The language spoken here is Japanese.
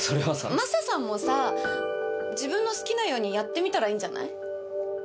マサさんもさ、自分の好きなようにやってみたらいいんじゃない？